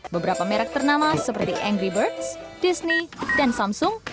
beberapa merek ternama seperti engry birds disney dan samsung